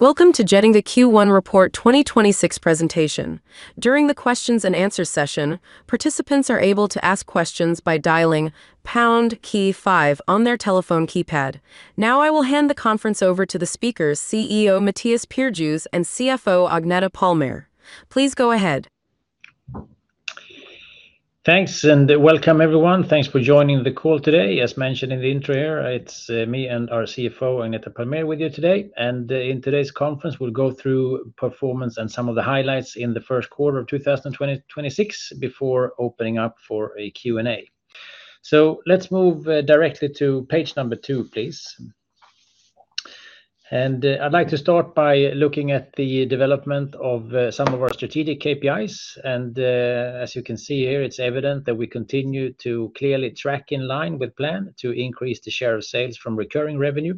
Welcome to Getinge Q1 Report 2026 presentation. During the questions and answers session, participants are able to ask questions by dialing pound key five on their telephone keypad. Now I will hand the conference over to the speakers, CEO Mattias Perjos and CFO Agneta Palmér. Please go ahead. Thanks, and welcome everyone. Thanks for joining the call today. As mentioned in the intro here, it's me and our CFO, Agneta Palmér, with you today. In today's conference, we'll go through performance and some of the highlights in the first quarter of 2026 before opening up for a Q&A. Let's move directly to page number two, please. I'd like to start by looking at the development of some of our strategic KPIs. As you can see here, it's evident that we continue to clearly track in line with plan to increase the share of sales from recurring revenue,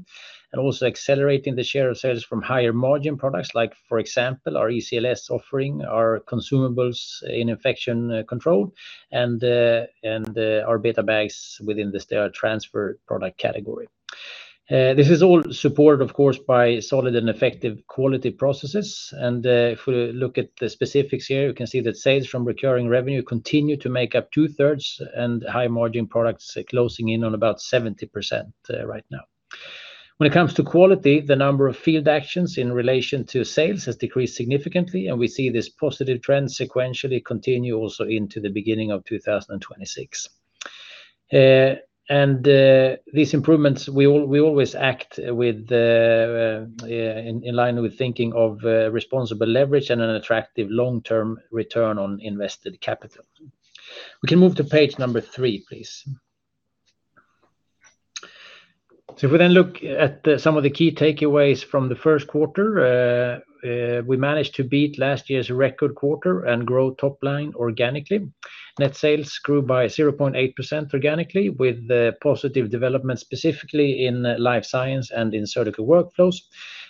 and also accelerating the share of sales from higher-margin products like, for example, our ECLS offering, our consumables in Infection Control, and our BetaBags within the Sterile Transfer product category. This is all supported of course, by solid and effective quality processes. If we look at the specifics here, you can see that sales from recurring revenue continue to make up 2/3 and high-margin products closing in on about 70% right now. When it comes to quality, the number of field actions in relation to sales has decreased significantly, and we see this positive trend sequentially continue also into the beginning of 2026. These improvements, we always act in line with thinking of responsible leverage and an attractive long-term return on invested capital. We can move to page number three, please. If we then look at some of the key takeaways from the first quarter, we managed to beat last year's record quarter and grow top line organically. Net sales grew by 0.8% organically, with positive development, specifically in Life Science and in Surgical Workflows.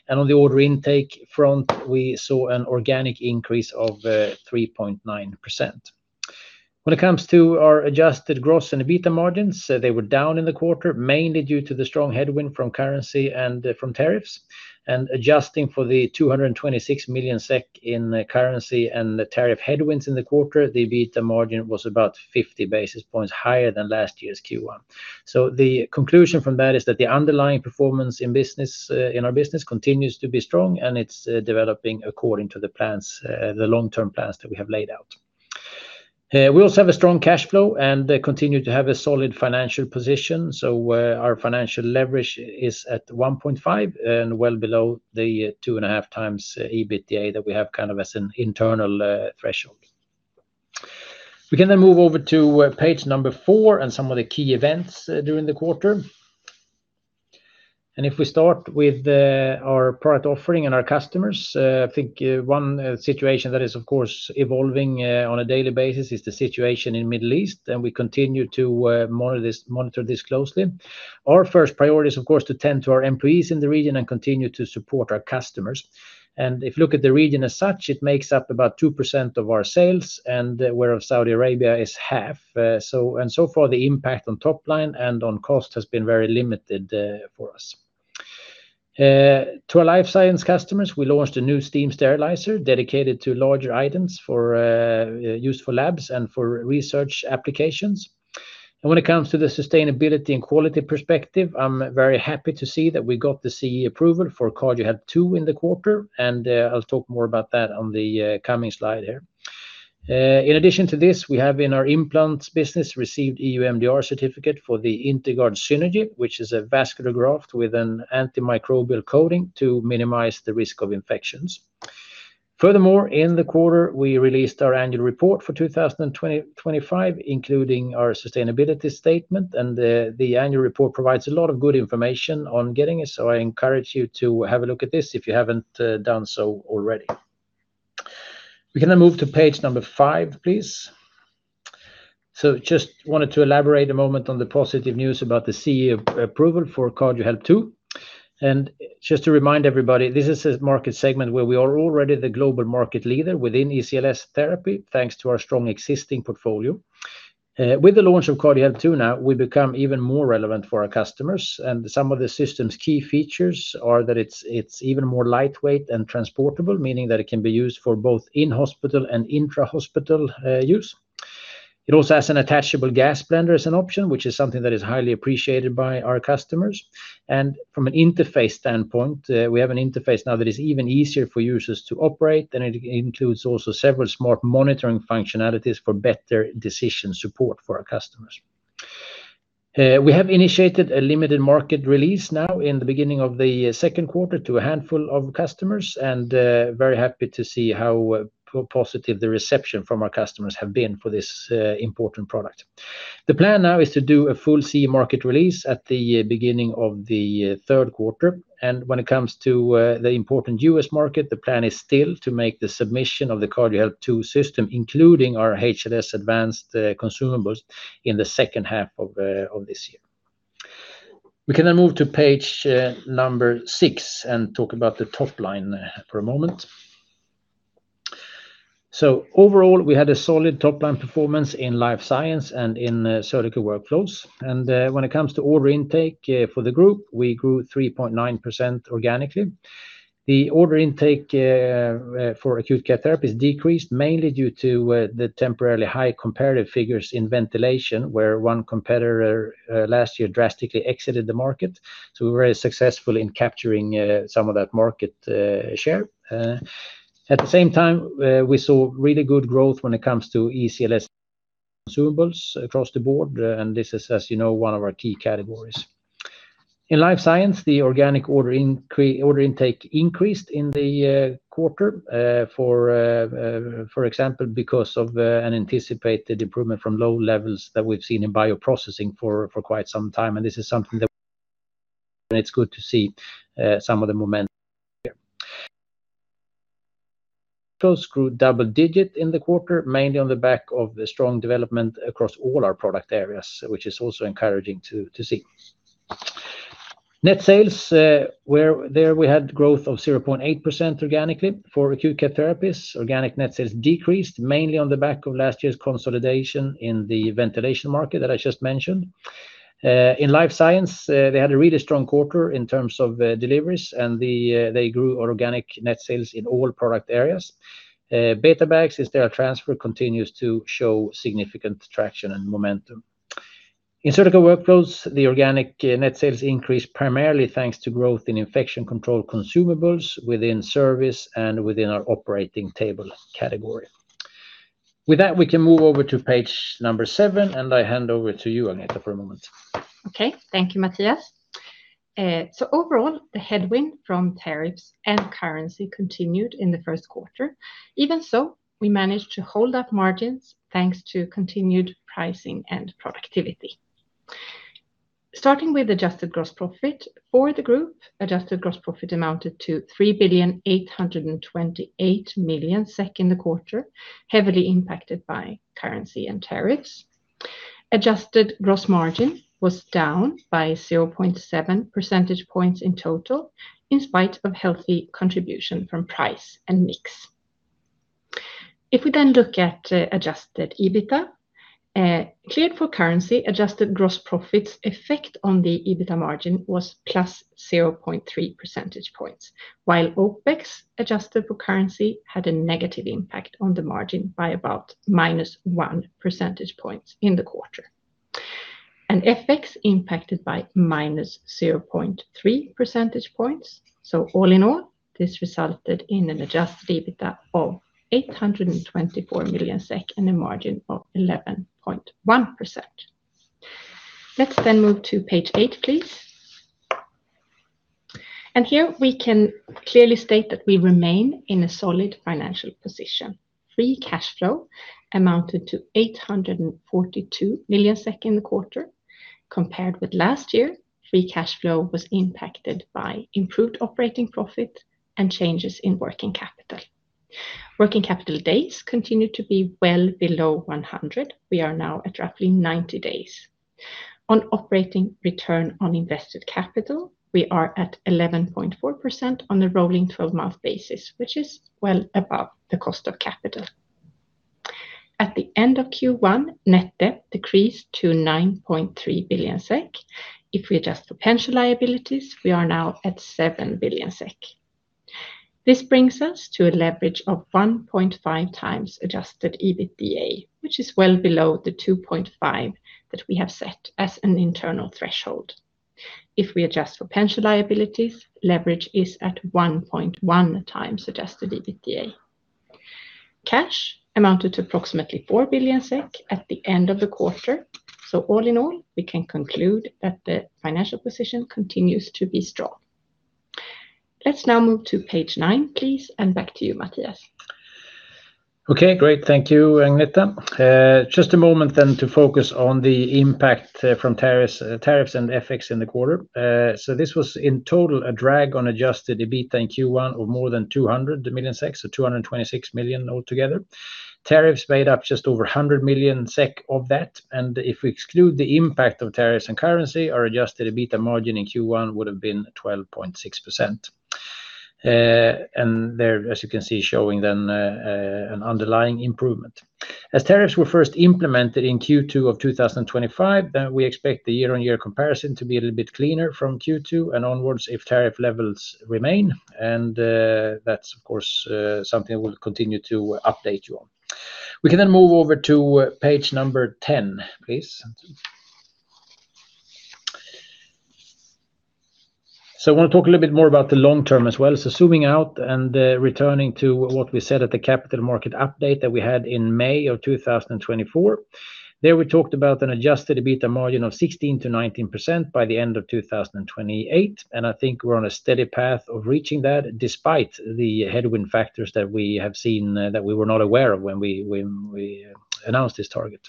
On the order intake front, we saw an organic increase of 3.9%. When it comes to our adjusted gross and EBITDA margins, they were down in the quarter, mainly due to the strong headwind from currency and from tariffs. Adjusting for the 226 million SEK in currency and the tariff headwinds in the quarter, the EBITDA margin was about 50 basis points higher than last year's Q1. The conclusion from that is that the underlying performance in our business continues to be strong, and it's developing according to the long-term plans that we have laid out. We also have a strong cash flow and continue to have a solid financial position. Our financial leverage is at 1.5x and well below the 2.5x EBITDA that we have as an internal threshold. We can then move over to page number four and some of the key events during the quarter. If we start with our product offering and our customers, I think one situation that is, of course, evolving on a daily basis is the situation in Middle East, and we continue to monitor this closely. Our first priority is, of course, to tend to our employees in the region and continue to support our customers. If you look at the region as such, it makes up about 2% of our sales, and whereof Saudi Arabia is half. So far, the impact on top line and on cost has been very limited for us. To our Life Science customers, we launched a new steam sterilizer dedicated to larger items for useful labs and for research applications. When it comes to the sustainability and quality perspective, I'm very happy to see that we got the CE approval for Cardiohelp II in the quarter. I'll talk more about that on the coming slide here. In addition to this, we have in our implants business received EU MDR certificate for the Integard Synergy, which is a vascular graft with an antimicrobial coating to minimize the risk of infections. Furthermore, in the quarter, we released our annual report for 2025, including our sustainability statement, and the annual report provides a lot of good information on Getinge. I encourage you to have a look at this if you haven't done so already. We can now move to page number five, please. Just wanted to elaborate a moment on the positive news about the CE approval for Cardiohelp II. Just to remind everybody, this is a market segment where we are already the global market leader within ECLS therapy, thanks to our strong existing portfolio. With the launch of Cardiohelp II now, we become even more relevant for our customers, and some of the system's key features are that it's even more lightweight and transportable, meaning that it can be used for both in-hospital and intra-hospital use. It also has an attachable gas blender as an option, which is something that is highly appreciated by our customers. From an interface standpoint, we have an interface now that is even easier for users to operate, and it includes also several smart monitoring functionalities for better decision support for our customers. We have initiated a limited market release now in the beginning of the second quarter to a handful of customers and very happy to see how positive the reception from our customers have been for this important product. The plan now is to do a full CE market release at the beginning of the third quarter. When it comes to the important U.S. market, the plan is still to make the submission of the Cardiohelp II system, including our HLS Set Advanced consumables, in the second half of this year. We can now move to page six and talk about the top line for a moment. Overall, we had a solid top-line performance in Life Science and in Surgical Workflows. When it comes to order intake for the group, we grew 3.9% organically. The order intake for Acute Care Therapies decreased mainly due to the temporarily high comparative figures in ventilation, where one competitor last year drastically exited the market. We were very successful in capturing some of that market share. At the same time, we saw really good growth when it comes to ECLS consumables across the board, and this is, as you know, one of our key categories. In Life Science, the organic order intake increased in the quarter, for example, because of an anticipated improvement from low levels that we've seen in bioprocessing for quite some time. It's good to see some of the momentum here. Surgical grew double-digit in the quarter, mainly on the back of the strong development across all our product areas, which is also encouraging to see. Net sales, there we had growth of 0.8% organically. For Acute Care Therapies, organic net sales decreased mainly on the back of last year's consolidation in the ventilation market that I just mentioned. In Life Science, they had a really strong quarter in terms of deliveries and they grew organic net sales in all product areas. BetaBag and Sterile Transfer continues to show significant traction and momentum. In Surgical Workflows, the organic net sales increased primarily thanks to growth in Infection Control consumables within service and within our operating table category. With that, we can move over to page number seven, and I hand over to you, Agneta, for a moment. Okay. Thank you, Mattias. Overall, the headwind from tariffs and currency continued in the first quarter. Even so, we managed to hold up margins, thanks to continued pricing and productivity. Starting with adjusted gross profit. For the group, adjusted gross profit amounted to 3,828,000,000 SEK in the quarter, heavily impacted by currency and tariffs. Adjusted gross margin was down by 0.7 percentage points in total in spite of healthy contribution from price and mix. If we then look at adjusted EBITDA, cleared for currency, adjusted gross profit's effect on the EBITDA margin was +0.3 percentage points, while OPEX, adjusted for currency, had a negative impact on the margin by about -1 percentage points in the quarter. FX impacted by -0.3 percentage points. All in all, this resulted in an adjusted EBITDA of 824 million SEK and a margin of 11.1%. Let's move to page eight, please. Here we can clearly state that we remain in a solid financial position. Free cash flow amounted to 842 million SEK in the quarter. Compared with last year, free cash flow was impacted by improved operating profit and changes in working capital. Working capital days continued to be well below 100. We are now at roughly 90 days. On operating return on invested capital, we are at 11.4% on a rolling 12-month basis, which is well above the cost of capital. At the end of Q1, net debt decreased to 9.3 billion SEK. If we adjust for pension liabilities, we are now at 7 billion SEK. This brings us to a leverage of 1.5x adjusted EBITDA, which is well below the 2.5x that we have set as an internal threshold. If we adjust for pension liabilities, leverage is at 1.1x adjusted EBITDA. Cash amounted to approximately 4 billion SEK at the end of the quarter. All in all, we can conclude that the financial position continues to be strong. Let's now move to page nine, please, and back to you, Mattias. Okay, great. Thank you, Agneta. Just a moment then to focus on the impact from tariffs and FX in the quarter. This was in total a drag on adjusted EBITDA in Q1 of more than 200 million SEK, so 226 million altogether. Tariffs made up just over 100 million SEK of that. If we exclude the impact of tariffs and currency, our adjusted EBITDA margin in Q1 would have been 12.6%. There, as you can see, showing then an underlying improvement. As tariffs were first implemented in Q2 of 2025, we expect the year-on-year comparison to be a little bit cleaner from Q2 and onwards if tariff levels remain. That's of course, something we'll continue to update you on. We can then move over to page 10, please. I want to talk a little bit more about the long term as well. Zooming out and returning to what we said at the capital market update that we had in May of 2024. There, we talked about an adjusted EBITDA margin of 16%-19% by the end of 2028. I think we're on a steady path of reaching that despite the headwind factors that we have seen that we were not aware of when we announced this target.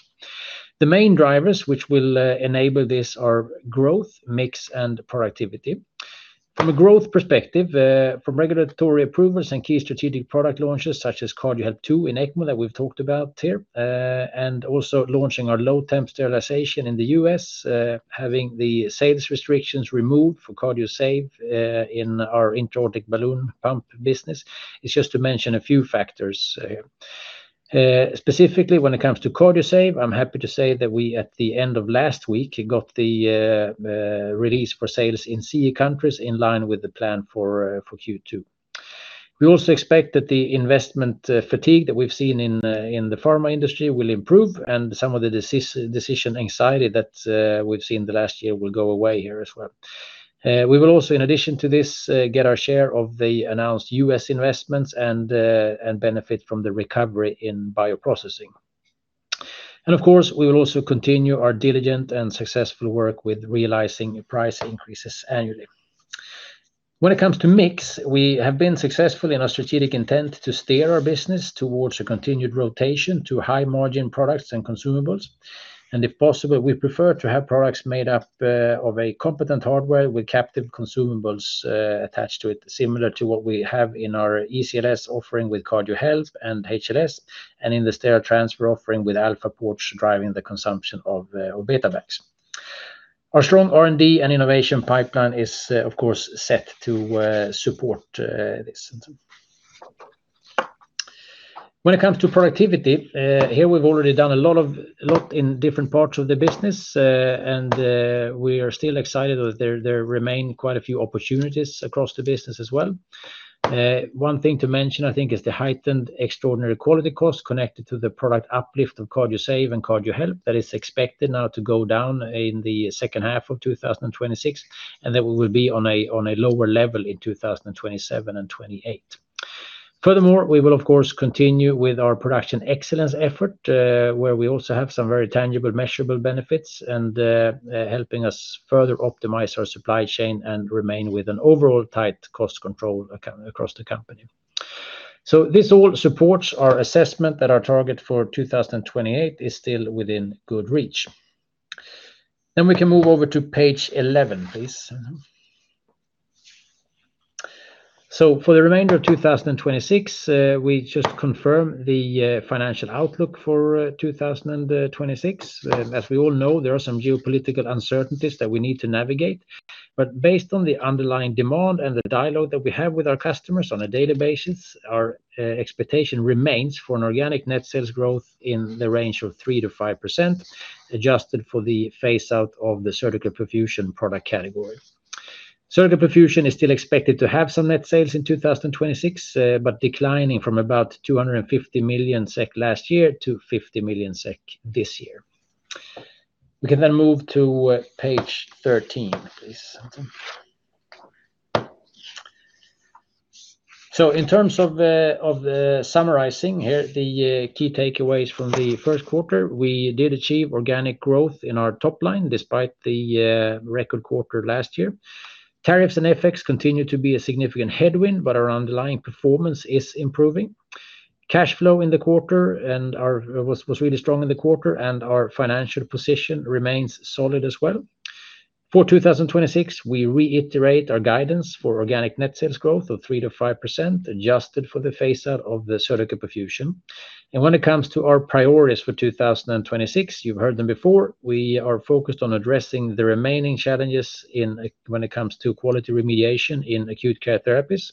The main drivers which will enable this are growth, mix, and productivity. From a growth perspective, from regulatory approvals and key strategic product launches such as Cardiohelp II in ECMO that we've talked about here, also launching our low-temp sterilization in the U.S., having the sales restrictions removed for Cardiosave in our intra-aortic balloon pump business. It's just to mention a few factors here. Specifically when it comes to Cardiosave, I'm happy to say that we, at the end of last week, got the release for sales in CE countries in line with the plan for Q2. We also expect that the investment fatigue that we've seen in the pharma industry will improve, and some of the decision anxiety that we've seen the last year will go away here as well. We will also, in addition to this, get our share of the announced U.S. investments and benefit from the recovery in bioprocessing. Of course, we will also continue our diligent and successful work with realizing price increases annually. When it comes to mix, we have been successful in our strategic intent to steer our business towards a continued rotation to high-margin products and consumables. If possible, we prefer to have products made up of a competent hardware with captive consumables attached to it, similar to what we have in our ECLS offering with Cardiohelp and HLS, and in the Sterile Transfer offering with Alpha Port driving the consumption of BetaBags. Our strong R&D and innovation pipeline is of course set to support this. When it comes to productivity, here we've already done a lot in different parts of the business. We are still excited that there remain quite a few opportunities across the business as well. One thing to mention, I think, is the heightened extraordinary quality cost connected to the product uplift of Cardiosave and Cardiohelp. That is expected now to go down in the second half of 2026, and then we will be on a lower level in 2027 and 2028. Furthermore, we will of course continue with our production excellence effort, where we also have some very tangible, measurable benefits, and helping us further optimize our supply chain and remain with an overall tight cost control across the company. This all supports our assessment that our target for 2028 is still within good reach. We can move over to page 11, please, Anton. For the remainder of 2026, we just confirm the financial outlook for 2026. As we all know, there are some geopolitical uncertainties that we need to navigate, but based on the underlying demand and the dialogue that we have with our customers on a daily basis, our expectation remains for an organic net sales growth in the range of 3%-5%, adjusted for the phase-out of the Surgical Perfusion product category. Surgical Perfusion is still expected to have some net sales in 2026, but declining from about 250 million SEK last year to 50 million SEK this year. We can then move to page 13, please, Anton. In terms of summarizing here the key takeaways from the first quarter, we did achieve organic growth in our top line despite the record quarter last year. Tariffs and FX continue to be a significant headwind, but our underlying performance is improving. Cash flow was really strong in the quarter, and our financial position remains solid as well. For 2026, we reiterate our guidance for organic net sales growth of 3%-5%, adjusted for the phase-out of the Surgical Perfusion. When it comes to our priorities for 2026, you've heard them before, we are focused on addressing the remaining challenges when it comes to quality remediation in Acute Care Therapies.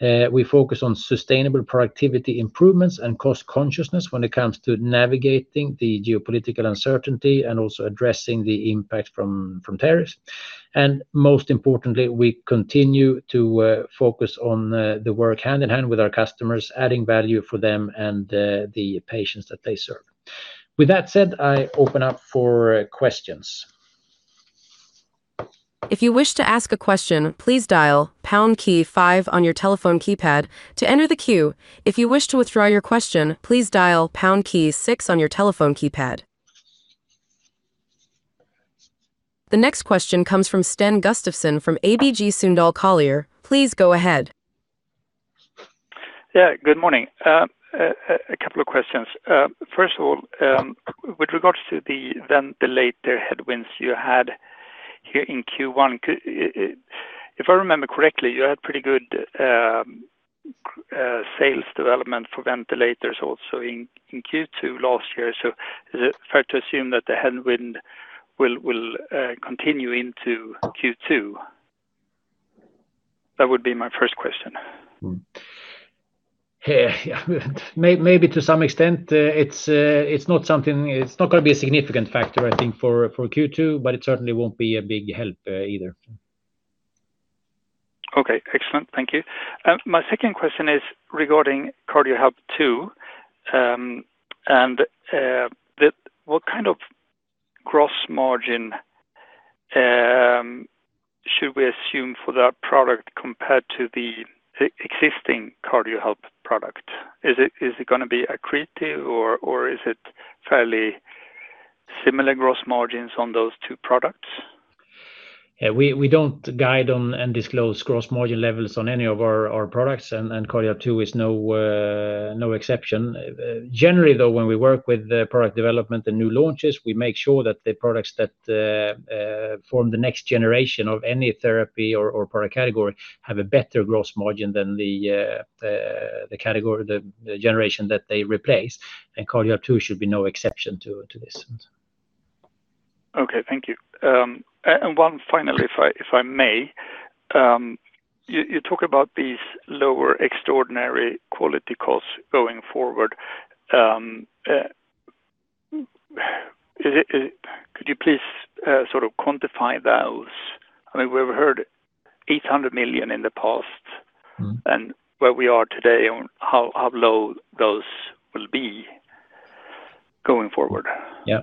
We focus on sustainable productivity improvements and cost consciousness when it comes to navigating the geopolitical uncertainty and also addressing the impact from tariffs. Most importantly, we continue to focus on the work hand-in-hand with our customers, adding value for them and the patients that they serve. With that said, I open up for questions. The next question comes from Sten Gustafsson from ABG Sundal Collier. Please go ahead. Yeah, good morning. A couple of questions. First of all, with regards to the ventilator headwinds you had here in Q1, if I remember correctly, you had pretty good sales development for ventilators also in Q2 last year. Is it fair to assume that the headwind will continue into Q2? That would be my first question. Yeah. Maybe to some extent. It's not going to be a significant factor, I think, for Q2, but it certainly won't be a big help either. Okay, excellent. Thank you. My second question is regarding Cardiohelp II. What kind of gross margin should we assume for that product compared to the existing Cardiohelp product? Is it going to be accretive, or is it fairly similar gross margins on those two products? Yeah. We don't guide on and disclose gross margin levels on any of our products, and Cardiohelp II is no exception. Generally, though, when we work with product development and new launches, we make sure that the products that form the next generation of any therapy or product category have a better gross margin than the generation that they replace, and Cardiohelp II should be no exception to this. Okay, thank you. One final, if I may. You talk about these lower extraordinary quality costs going forward. Could you please quantify those? We've heard 800 million in the past. Mm-hmm. Where we are today and how low those will be going forward. Yeah.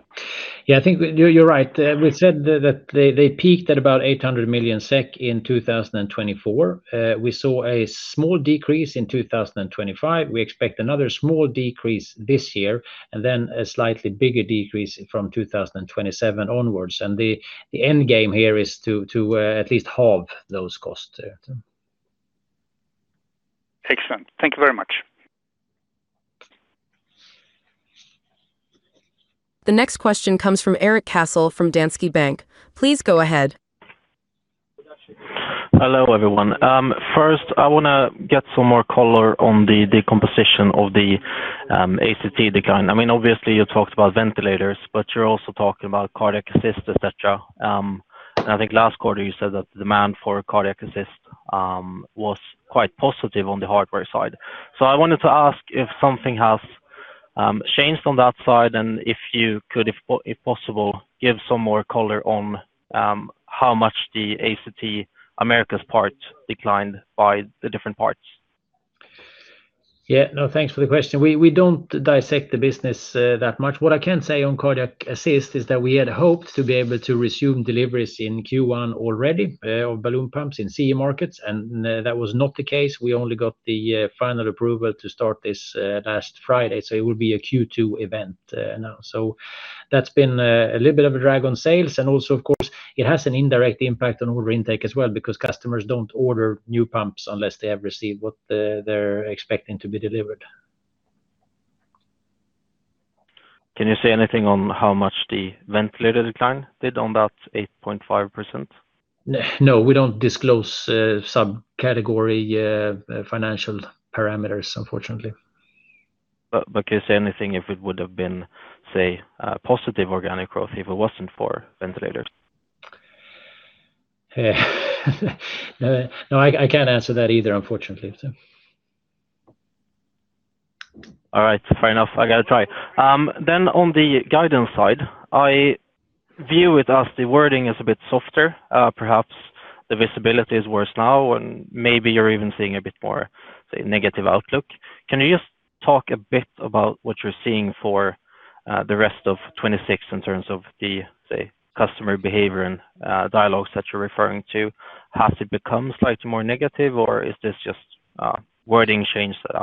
I think you're right. We said that they peaked at about 800 million SEK in 2024. We saw a small decrease in 2025. We expect another small decrease this year, and then a slightly bigger decrease from 2027 onwards. The end game here is to at least halve those costs. Excellent. Thank you very much. The next question comes from Erik Cassel from Danske Bank. Please go ahead. Hello, everyone. First I want to get some more color on the decomposition of the ACT decline. Obviously you talked about ventilators, but you're also talking about cardiac assist, et cetera. I think last quarter you said that the demand for cardiac assist was quite positive on the hardware side. I wanted to ask if something has changed on that side, and if you could, if possible, give some more color on how much the ACT Americas part declined by the different parts. Yeah. No, thanks for the question. We don't dissect the business that much. What I can say on cardiac assist is that we had hoped to be able to resume deliveries in Q1 already of balloon pumps in CE markets, and that was not the case. We only got the final approval to start this last Friday, so it will be a Q2 event now. That's been a little bit of a drag on sales. Also, of course, it has an indirect impact on order intake as well because customers don't order new pumps unless they have received what they're expecting to be delivered. Can you say anything on how much the ventilator decline did on that 8.5%? No, we don't disclose sub-category financial parameters, unfortunately. Can you say anything if it would've been, say, positive organic growth if it wasn't for ventilators? No, I can't answer that either, unfortunately. All right. Fair enough. I got to try. On the guidance side, I view it as the wording is a bit softer. Perhaps the visibility is worse now and maybe you're even seeing a bit more, say, negative outlook. Can you just talk a bit about what you're seeing for the rest of 2026 in terms of the, say, customer behavior and dialogues that you're referring to? Has it become slightly more negative, or is this just a wording change that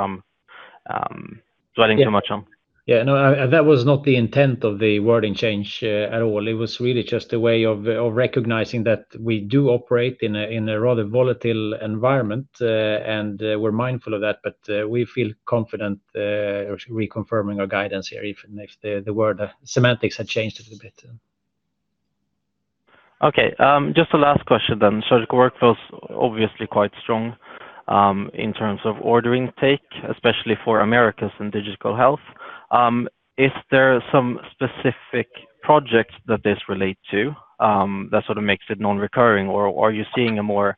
I'm dwelling too much on? Yeah, no, that was not the intent of the wording change at all. It was really just a way of recognizing that we do operate in a rather volatile environment, and we're mindful of that. We feel confident reconfirming our guidance here, even if the word semantics have changed a little bit. Okay. Just a last question then. Surgical Workflows, obviously quite strong, in terms of order intake, especially for Americas and Digital Health. Is there some specific projects that this relate to, that sort of makes it non-recurring, or are you seeing a more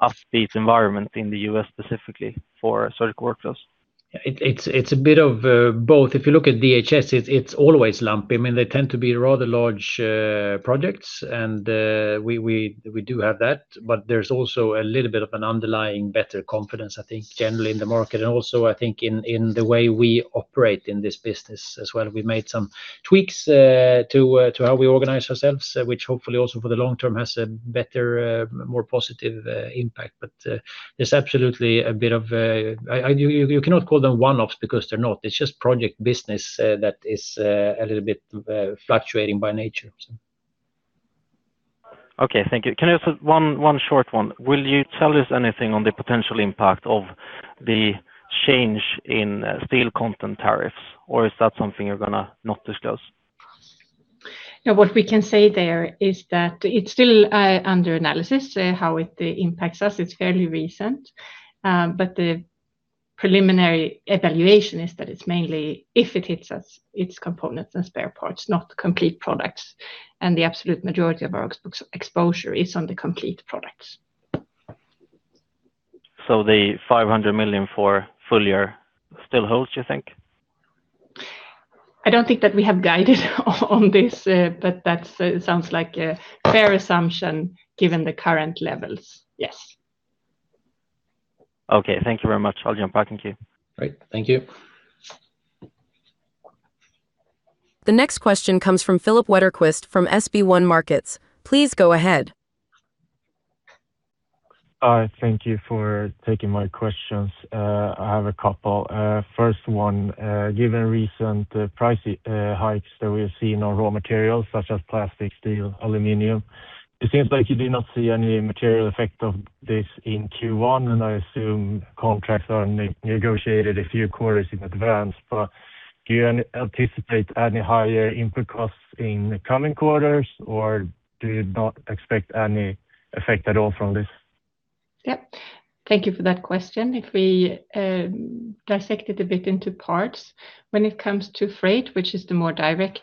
upbeat environment in the U.S. specifically for Surgical Workflows? It's a bit of both. If you look at DHS, it's always lumpy. They tend to be rather large projects and we do have that, but there's also a little bit of an underlying better confidence I think, generally in the market. I think in the way we operate in this business as well. We've made some tweaks to how we organize ourselves, which hopefully also for the long term has a better, more positive impact. There's absolutely a bit of a, you cannot call them one-offs because they're not. It's just project business that is a little bit fluctuating by nature. Okay, thank you. Can I ask one short one? Will you tell us anything on the potential impact of the change in steel content tariffs, or is that something you're going to not discuss? No, what we can say there is that it's still under analysis, how it impacts us. It's fairly recent. The preliminary evaluation is that it's mainly if it hits us, it's components and spare parts, not complete products. The absolute majority of our exposure is on the complete products. 500 million for full year still holds, you think? I don't think that we have guided on this, but that sounds like a fair assumption given the current levels, yes. Okay, thank you very much. I'll jump back in queue. Great. Thank you. The next question comes from Filip Wetterqvist from SB1 Markets. Please go ahead. Thank you for taking my questions. I have a couple. First one, given recent price hikes that we've seen on raw materials such as plastic, steel, aluminum, it seems like you do not see any material effect of this in Q1, and I assume contracts are negotiated a few quarters in advance. Do you anticipate any higher input costs in the coming quarters, or do you not expect any effect at all from this? Yep. Thank you for that question. If we dissect it a bit into parts, when it comes to freight, which is the more direct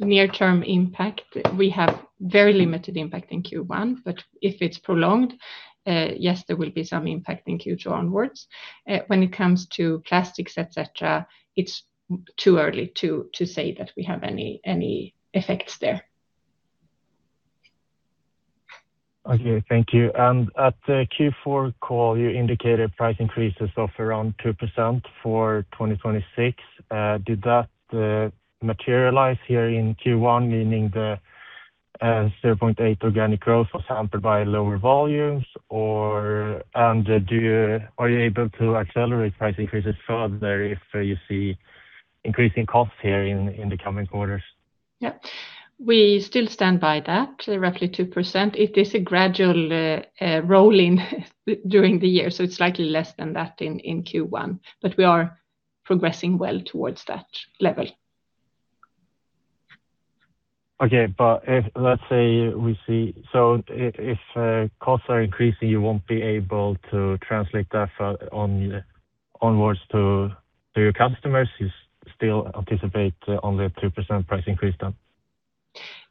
near-term impact, we have very limited impact in Q1. If it's prolonged, yes, there will be some impact in Q2 onwards. When it comes to plastics, et cetera, it's too early to say that we have any effects there. Okay, thank you. At the Q4 call, you indicated price increases of around 2% for 2026. Did that materialize here in Q1, meaning the 0.8% organic growth was hampered by lower volumes? Are you able to accelerate price increases further if you see increasing costs here in the coming quarters? Yep. We still stand by that roughly 2%. It is a gradual roll-in during the year. It's slightly less than that in Q1. We are progressing well towards that level. Okay. Let's say we see if costs are increasing, you won't be able to translate that onwards to your customers. You still anticipate only a 2% price increase then?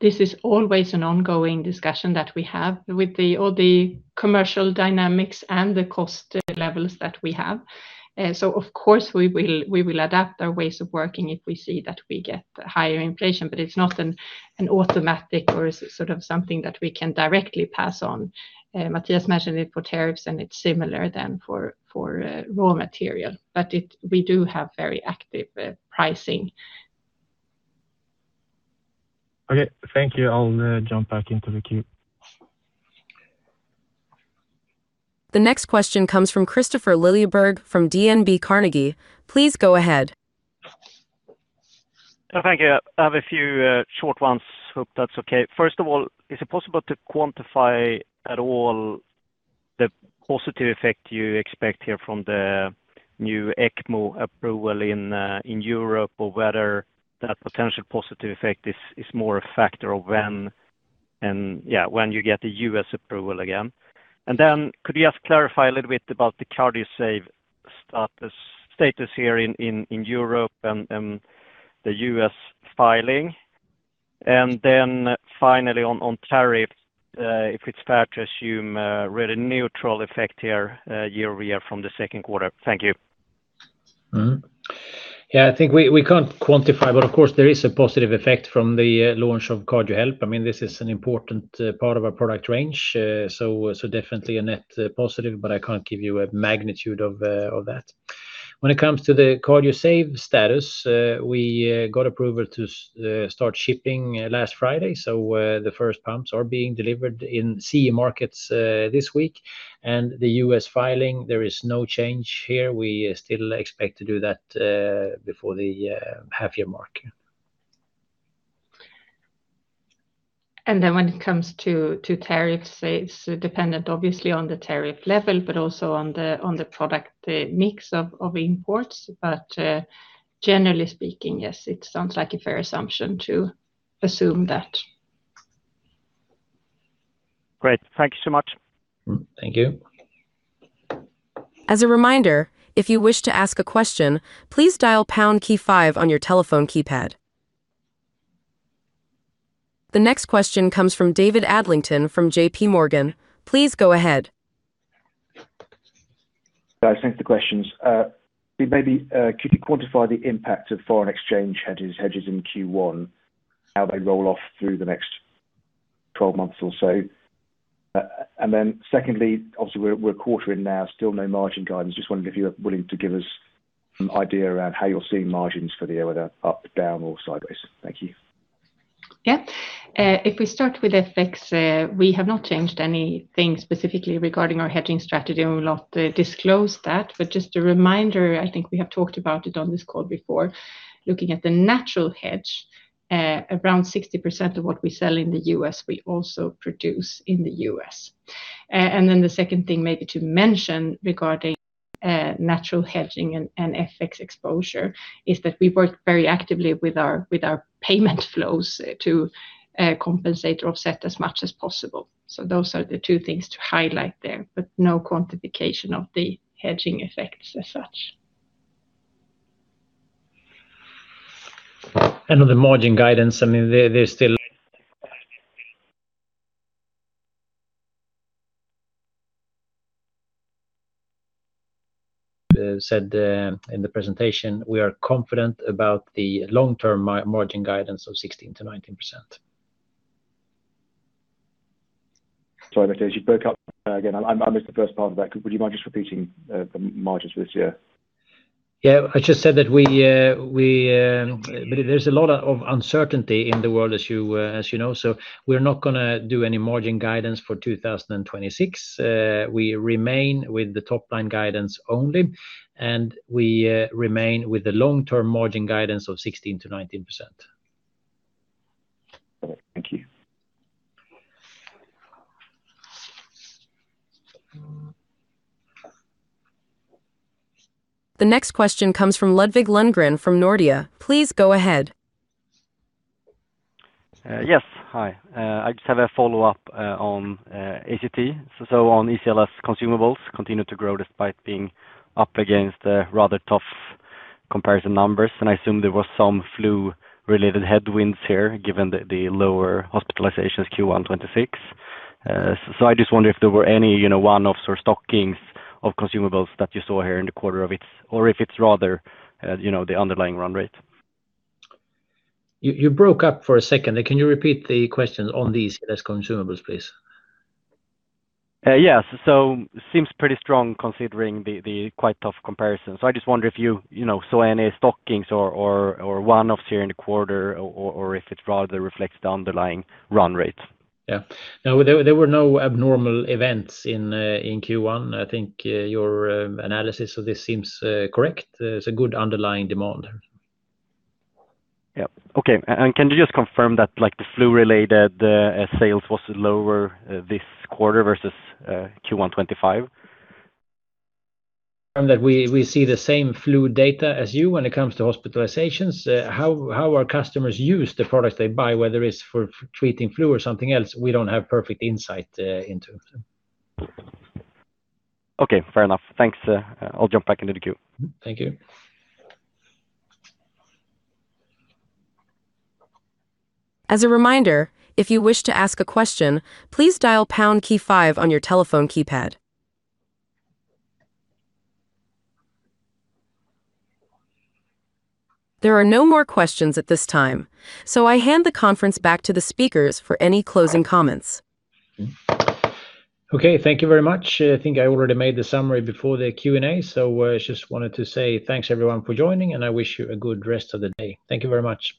This is always an ongoing discussion that we have with all the commercial dynamics and the cost levels that we have. Of course, we will adapt our ways of working if we see that we get higher inflation, but it's not an automatic or sort of something that we can directly pass on. Mattias mentioned it for tariffs, and it's similar then for raw material. We do have very active pricing. Okay, thank you. I'll jump back into the queue. The next question comes from Kristofer Liljeberg from DNB Carnegie. Please go ahead. Thank you. I have a few short ones. Hope that's okay. First of all, is it possible to quantify at all the positive effect you expect here from the new ECMO approval in Europe? Or whether that potential positive effect is more a factor of when you get the U.S. approval again? Could you just clarify a little bit about the Cardiosave status here in Europe and the U.S. filing? Finally on tariff, if it's fair to assume a really neutral effect here year-over-year from the second quarter? Thank you. Yeah, I think we can't quantify, but of course, there is a positive effect from the launch of Cardiohelp. This is an important part of our product range, so definitely a net positive, but I can't give you a magnitude of that. When it comes to the Cardiosave status, we got approval to start shipping last Friday, so the first pumps are being delivered in CE markets this week. The U.S. filing, there is no change here. We still expect to do that before the half-year mark. When it comes to tariffs, it's dependent obviously on the tariff level, but also on the product mix of imports. Generally speaking, yes, it sounds like a fair assumption to assume that. Great. Thank you so much. Thank you. As a reminder, if you wish to ask a question, please dial pound key five on your telephone keypad. The next question comes from David Adlington from JPMorgan. Please go ahead. Guys, thanks for the questions. Maybe could you quantify the impact of foreign exchange hedges in Q1, how they roll off through the next 12 months or so? Secondly, obviously, we're a quarter in now, still no margin guidance. Just wondering if you are willing to give us some idea around how you're seeing margins for the year, whether up, down, or sideways. Thank you. Yep. If we start with FX, we have not changed anything specifically regarding our hedging strategy, and we will not disclose that. Just a reminder, I think we have talked about it on this call before, looking at the natural hedge. Around 60% of what we sell in the U.S., we also produce in the U.S. Then the second thing maybe to mention regarding natural hedging and FX exposure is that we work very actively with our payment flows to compensate or offset as much as possible. Those are the two things to highlight there, but no quantification of the hedging effects as such. On the margin guidance, as said in the presentation, we are confident about the long-term margin guidance of 16%-19%. Sorry, Mattias, you broke up again. I missed the first part of that. Would you mind just repeating the margins for this year? Yeah. I just said that there's a lot of uncertainty in the world, as you know. We're not going to do any margin guidance for 2026. We remain with the top-line guidance only, and we remain with the long-term margin guidance of 16%-19%. Thank you. The next question comes from Ludvig Lundgren from Nordea. Please go ahead. Yes. Hi. I just have a follow-up on ACT. On ECLS consumables continue to grow despite being up against rather tough comparison numbers, and I assume there was some flu-related headwinds here given the lower hospitalizations Q1 2026. I just wonder if there were any one-offs or stockings of consumables that you saw here in the quarter, or if it's rather the underlying run rate. You broke up for a second. Can you repeat the question on these ECLS consumables, please? Yes. Seems pretty strong considering the quite tough comparison. I just wonder if you saw any stockings or one-offs here in the quarter or if it rather reflects the underlying run rate. Yeah. No, there were no abnormal events in Q1. I think your analysis of this seems correct. There's a good underlying demand there. Yep. Okay. Can you just confirm that the flu-related sales was lower this quarter versus Q1 2025? That we see the same flu data as you when it comes to hospitalizations. How our customers use the products they buy, whether it's for treating flu or something else, we don't have perfect insight into. Okay. Fair enough. Thanks. I'll jump back into the queue. Thank you. As a reminder, if you wish to ask a question, please dial pound, key five on your telephone keypad. There are no more questions at this time. I hand the conference back to the speakers for any closing comments. Okay. Thank you very much. I think I already made the summary before the Q&A, so I just wanted to say thanks everyone for joining, and I wish you a good rest of the day. Thank you very much.